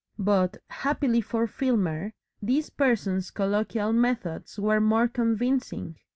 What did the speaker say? But, happily for Filmer, this person's colloquial methods were more convincing.